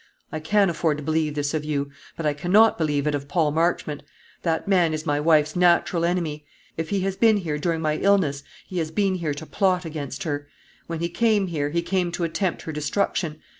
I can afford to believe this of you; but I cannot believe it of Paul Marchmont. That man is my wife's natural enemy. If he has been here during my illness, he has been here to plot against her. When he came here, he came to attempt her destruction.